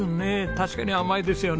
確かに甘いですよね。